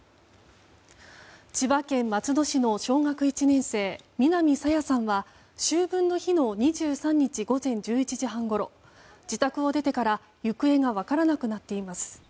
千葉県松戸市の小学１年生南朝芽さんは秋分の日の２３日午前１１時半ごろ自宅を出てから行方が分からなくなっています。